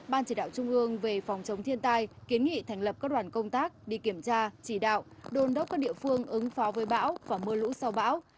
ban chỉ đạo trung ương về phòng chống thiên tai kiến nghị thành lập các đoàn công tác đi kiểm tra chỉ đạo đồn đốc các địa phương ứng phó với bão và mưa lũ sau bão